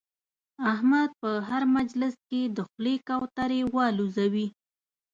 احمد په هر مجلس کې د خولې کوترې اولوزوي.